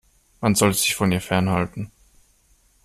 Man sollte sich von ihr fernhalten.